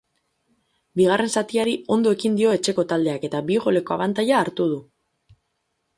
Bigarren zatiari ondo ekin dio etxeko taldeak eta bi goleko abantaila hartu du.